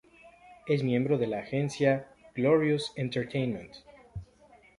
Es miembro de la agencia "Glorious Entertainment".